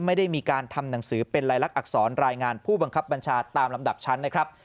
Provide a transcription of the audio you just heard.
ไม่ได้มีการทำหนังสือเป็นลายลักษรรายงานผู้บังคับบัญชาตามลำดับชั้นนะครับ